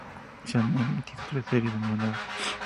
Se han emitido tres series de monedas.